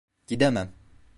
Gidemem.